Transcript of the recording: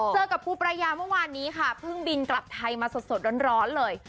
เจอกับปูปรายาเมื่อวานนี้ค่ะเพิ่งบินกลับไทยมาสดร้อนเลย